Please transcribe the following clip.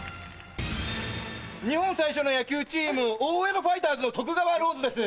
日本最初の野球チーム大江戸ファイターズの徳川ローズです。